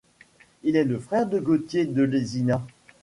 Il est le frère de Gautier de Lesina.